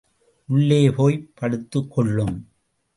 உள்ளே போய்ப் படுத்துக்கொள்ளும்.